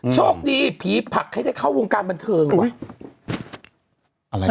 โชคดีผีผักให้ได้เข้าวงการบันเทิงอุ้ยอะไรอ่า